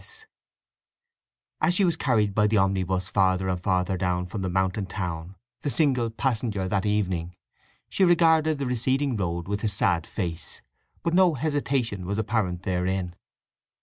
S. As she was carried by the omnibus farther and farther down from the mountain town—the single passenger that evening—she regarded the receding road with a sad face. But no hesitation was apparent therein.